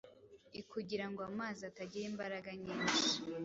ikugira ngo amazi atagira imbaraga nyinshi